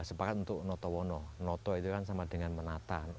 sepakat untuk notowono noto itu kan sama dengan menata